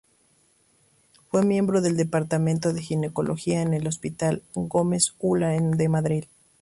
Fue miembro del Departamento de Ginecología en el Hospital Gómez Ulla de Madrid.